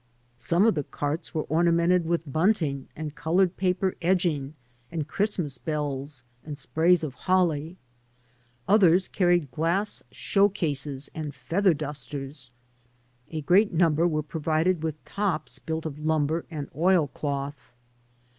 Some of the carts were ornamented with bunting and colored paper edging and Christmas bells and sprays of holly; others carried glass show cases and feather dusters; a great number w0re provided with tops builtof lumber and oilcloth.